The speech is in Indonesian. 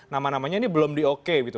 nama namanya ini belum di oke gitu